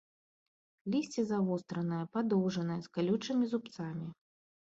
Лісце завостранае, падоўжанае, з калючымі зубцамі.